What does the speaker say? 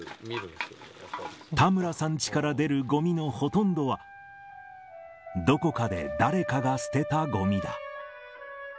田村さんチから出るごみのほとんどは、どこかで誰かが捨てたごみだ。